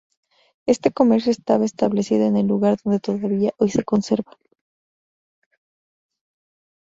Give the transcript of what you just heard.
Este comercio estaba establecido en el lugar donde todavía hoy se conserva.